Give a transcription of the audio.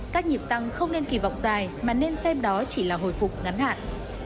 các nhịp tăng không nên kỳ vọng dài mà nên xem đó chỉ là hồi phục ngắn hạn